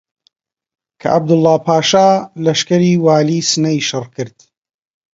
کە عەبدوڵڵاهـ پاشا لەشکری والیی سنەی شڕ کرد